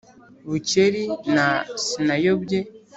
bukeri na sinayobye